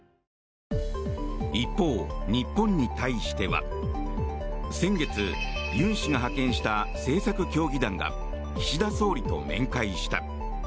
一方、日本に対しては先月、尹氏が派遣した政策協議団が岸田総理と面会した。